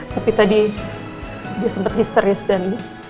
tapi tadi dia sempat histeris dan